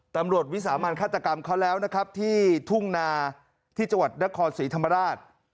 วิสามันฆาตกรรมเขาแล้วนะครับที่ทุ่งนาที่จังหวัดนครศรีธรรมราช